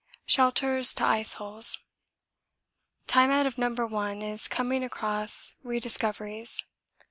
Shelters to Iceholes Time out of number one is coming across rediscoveries.